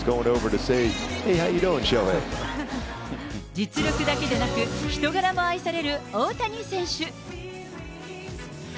実力だけでなく、人柄も愛される大谷選手。